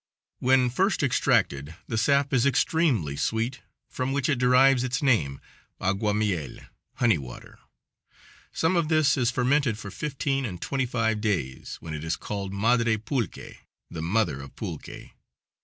When first extracted the sap is extremely sweet, from which it derives its name, aguamiel (honey water). Some of this is fermented for fifteen and twenty five days, when it is called madre pulque (the mother of pulque).